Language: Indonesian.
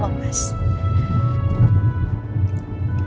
terima kasih banyak mas